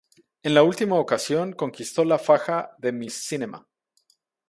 En la última ocasión conquistó la faja de ""Miss Cinema"".